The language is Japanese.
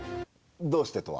「どうして？」とは？